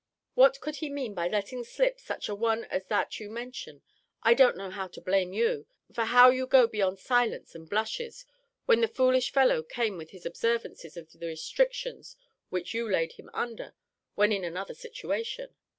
What could he mean by letting slip such a one as that you mention? I don't know how to blame you; for how you go beyond silence and blushes, when the foolish fellow came with his observances of the restrictions which you laid him under when in another situation?